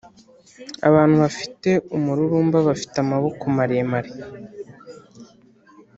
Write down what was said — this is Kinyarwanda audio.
abantu bafite umururumba bafite amaboko maremare.